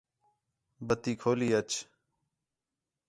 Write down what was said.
بَتی کھولی آچ